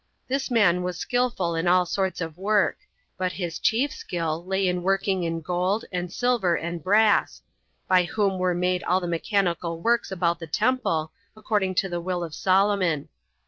This man was skillful in all sorts of work; but his chief skill lay in working in gold, and silver, and brass; by whom were made all the mechanical works about the temple, according to the will of Solomon.